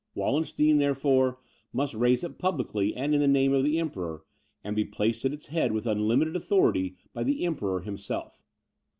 Wallenstein, therefore, must raise it publicly and in name of the Emperor, and be placed at its head, with unlimited authority, by the Emperor himself.